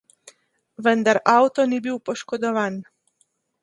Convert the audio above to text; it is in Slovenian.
Vendar avto ni bil poškodovan.